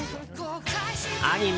アニメ